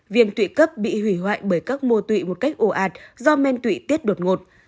viêm tụy cấp bị hủy hoại bởi các mô tụy một cách ồ ạt do men tụy tiết đột ngột